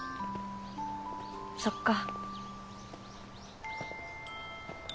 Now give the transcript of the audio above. そっか。